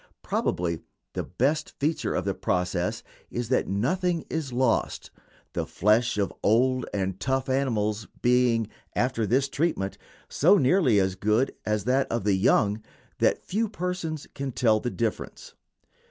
Probably the best feature of the process is that nothing is lost, the flesh of old and tough animals being, after this treatment, so nearly as good as that of the young that few persons can tell the difference.